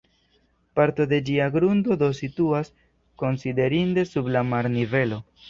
Parto de ĝia grundo do situas konsiderinde sub la marnivelo.